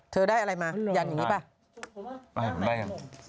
เธอได้อะไรมาอย่างอย่างนี้ไหม